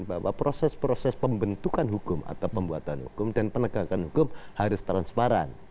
bahwa proses proses pembentukan hukum atau pembuatan hukum dan penegakan hukum harus transparan